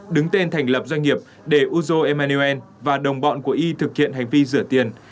đứng tên thành lập doanh nghiệp để uzo emmanuel và đồng bọn của y thực hiện hành vi rửa tiền